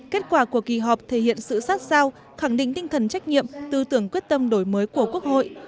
kết quả của kỳ họp thể hiện sự sát sao khẳng định tinh thần trách nhiệm tư tưởng quyết tâm đổi mới của quốc hội